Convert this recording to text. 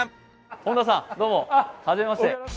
本田さん、どうも、初めまして。